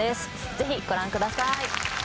ぜひご覧ください